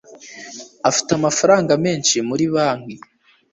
afite amafaranga menshi muri banki